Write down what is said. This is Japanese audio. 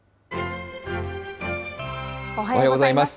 おはようございます。